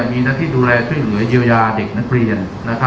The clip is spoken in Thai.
มีหน้าที่ดูแลช่วยเหลือเยียวยาเด็กนักเรียน